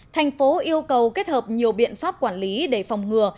thành phố yêu cầu kết hợp nhiều biện pháp quản lý để phòng ngừa